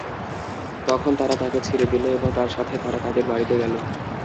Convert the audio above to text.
তখন তারা তাকে ছেড়ে দিল এবং তার সাথে তারা তাদের বাড়িতে গেল।